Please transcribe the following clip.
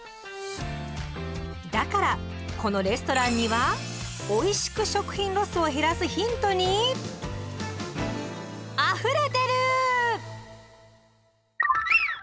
だからこのレストランにはおいしく食品ロスを減らすヒントにあふれてる！